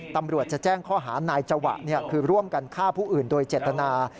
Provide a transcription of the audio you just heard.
ตำรวจจะแจ้งข้อหานายจวะคือร่วมกันฆ่าผู้อื่นโดยเจตนา